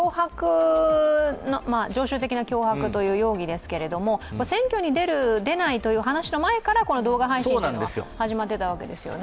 常習的な脅迫という容疑ですけど選挙に出る、出ないという話の前から、この動画配信は始まってたわけですよね。